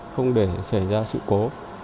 không để xảy ra sự cố